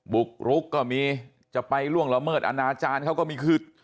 บุกรุกก็มีจะไปล่วงละเมิดอนาจารย์เขาก็มีคือ